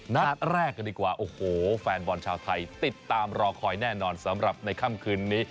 นัดแรกกันดีกว่าโอ้โหแฟนบอลชาวไทยติดตามรอคอยแน่นอนสำหรับในค่ำคืนนี้